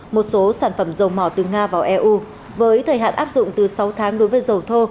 một số sản phẩm dầu mỏ từ nga vào eu với thời hạn áp dụng từ sáu tháng đối với dầu thô